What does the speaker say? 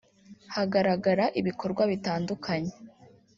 hagaragara ibikorwa bitandukanye